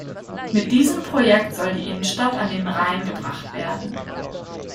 Mit diesem Projekt soll die Innenstadt an den Rhein gebracht werden.